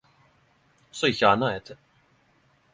So ikkje anna er te -